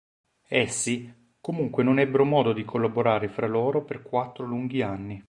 Essi, comunque non ebbero modo di collaborare fra loro per quattro lunghi anni.